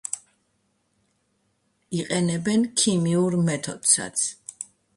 იყენებენ ქიმიურ მეთოდსაც.